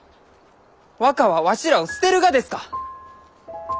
若はわしらを捨てるがですか？